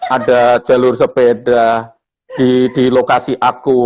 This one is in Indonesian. ada jalur sepeda di lokasi aku